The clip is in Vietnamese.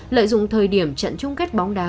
lợi dụng thời điểm trận chung kết bóng đá